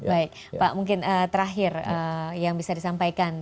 baik pak mungkin terakhir yang bisa disampaikan